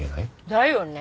だよね！